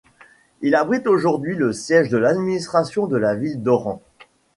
Il abrite aujourd'hui le siège de l'administration de la ville d'Oran.